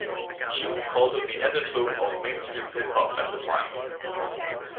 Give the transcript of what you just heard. "Q" called it "the epitome of mainstream hip hop" at the time.